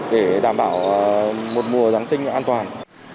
để đảm bảo một mùa giáng sinh an toàn